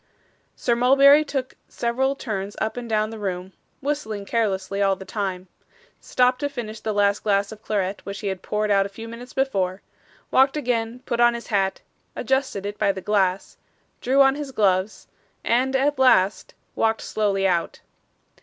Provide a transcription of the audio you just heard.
Sir Mulberry took several turns up and down the room, whistling carelessly all the time; stopped to finish the last glass of claret which he had poured out a few minutes before, walked again, put on his hat, adjusted it by the glass, drew on his gloves, and, at last, walked slowly out.